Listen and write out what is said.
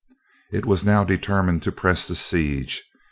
It was now determined to press the siege.